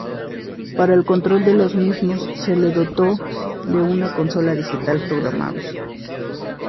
Para el control de los mismos se lo dotó de una consola digital programable.